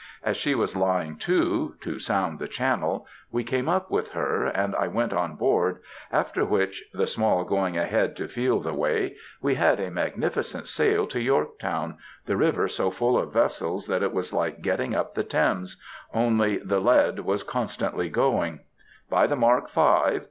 As she was lying to, to sound the channel, we came up with her, and I went on board, after which—the Small going ahead to feel the way—we had a magnificent sail to Yorktown, the river so full of vessels that it was like getting up the Thames, only the lead was constantly going, "By the mark, five!